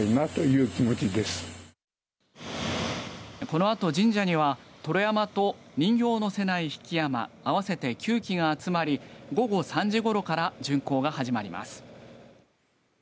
このあと神社には燈籠山と人形を載せない曳山合わせて９基が集まり午後３時ごろから巡行が始まります。